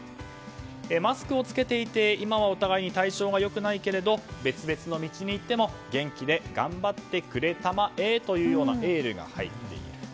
マスクを着けていて今はお互いに体調が良くないけど別々の道に行っても元気で頑張ってくれたまえというようなエールが入っていると。